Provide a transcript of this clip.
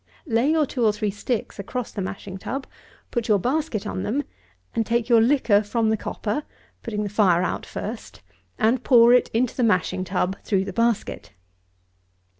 Lay your two or three sticks across the mashing tub, put your basket on them, and take your liquor from the copper (putting the fire out first) and pour it into the mashing tub through the basket.